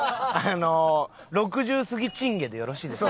６０過ぎチン毛でよろしいですか？